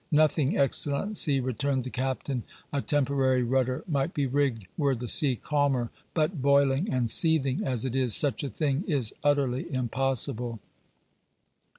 "Nothing, Excellency," returned the captain. "A temporary rudder might be rigged were the sea calmer, but, boiling and seething as it is, such a thing is utterly impossible."